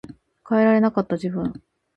変えられなかった自分